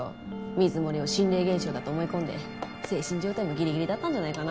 水漏れを心霊現象だと思い込んで精神状態もギリギリだったんじゃないかな。